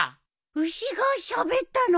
牛がしゃべったの？